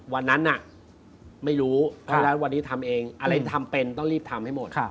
วันนั้นน่ะไม่รู้เพราะฉะนั้นวันนี้ทำเองอะไรทำเป็นต้องรีบทำให้หมด